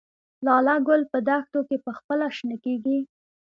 لاله ګل په دښتو کې پخپله شنه کیږي؟